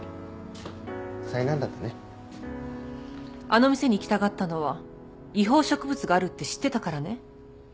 あの店に行きたがったのは違法植物があるって知ってたからね？